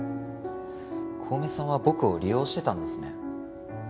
小梅さんは僕を利用してたんですね。